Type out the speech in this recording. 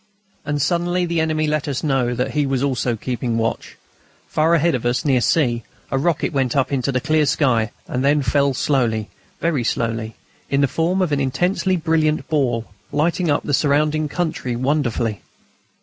And suddenly the enemy let us know that he was also keeping watch. Far ahead of us, near C., a rocket went up into the clear sky and then fell slowly, very slowly, in the form of an intensely brilliant ball, lighting up all the surrounding country wonderfully.